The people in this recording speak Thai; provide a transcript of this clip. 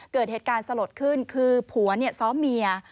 เกิดเหตุการณ์สลดขึ้นคือผัวซ้อมเมีย